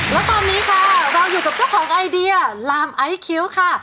แล้วตอนนี้ค่ะเราอยู่กับเจ้าของไอเดียลามไอซ์คิ้วค่ะ